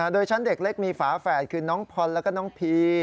โดยชั้นเด็กเล็กมีฝาแฝดคือน้องพรแล้วก็น้องพี